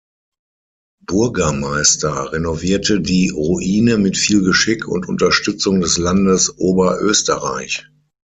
Burgermeister renovierte die Ruine mit viel Geschick und Unterstützung des Landes Oberösterreich.